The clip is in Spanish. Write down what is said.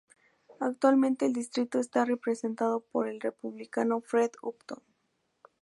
Actualmente el distrito está representado por el Republicano Fred Upton.